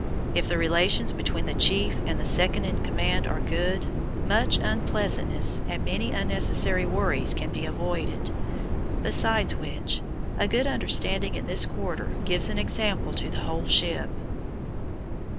If the relations between the chief and the second in command are good, much unpleasantness and many unnecessary worries can be avoided. Besides which, a good understanding in this quarter gives an example to the whole ship.